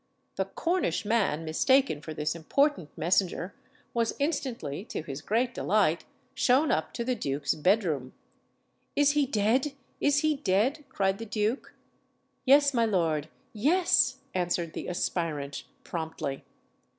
The Cornish man, mistaken for this important messenger, was instantly, to his great delight, shown up to the duke's bedroom. "Is he dead? is he dead?" cried the duke. "Yes, my lord, yes," answered the aspirant, promptly.